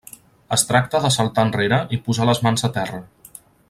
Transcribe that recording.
Es tracta de saltar enrere i posar les mans a terra.